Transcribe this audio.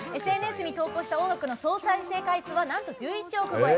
ＳＮＳに投稿した音楽の総再生回数はなんと１１億超え